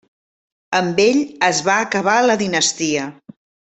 Amb ell es va acabar la dinastia.